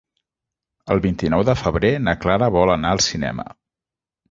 El vint-i-nou de febrer na Clara vol anar al cinema.